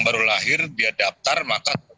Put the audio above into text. baru lahir dia daftar maka